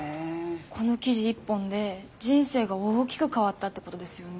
この記事一本で人生が大きく変わったってことですよね。